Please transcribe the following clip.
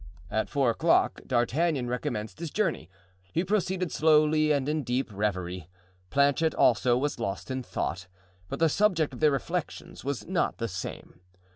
At four o'clock D'Artagnan recommenced his journey. He proceeded slowly and in deep reverie. Planchet also was lost in thought, but the subject of their reflections was not the same.